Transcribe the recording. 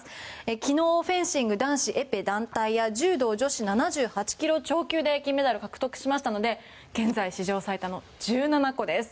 昨日、フェンシング男子エペ団体や柔道女子７８ｋｇ超級で金メダル獲得しましたので現在、史上最多の１７個です。